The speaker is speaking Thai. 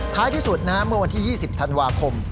ท้ายที่สุดเมื่อวันที่๒๐ธันวาคม